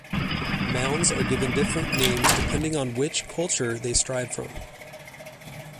Mounds are given different names depending on which culture they strive from.